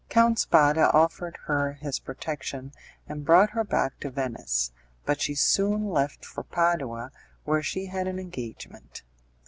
Count Spada offered her his protection, and brought her back to Venice, but she soon left for Padua where she had an engagement.